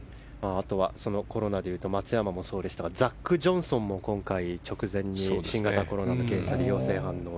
コロナでいうと松山もそうでしたがザック・ジョンソンも直前に新型コロナの検査で陽性反応。